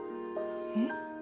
えっ？